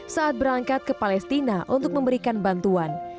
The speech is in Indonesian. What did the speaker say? saat berangkat ke palestina untuk memberikan bantuan